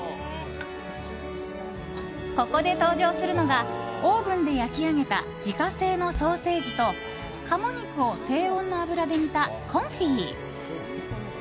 ここで登場するのがオーブンで焼き上げた自家製のソーセージと鴨肉を低温の油で煮たコンフィ。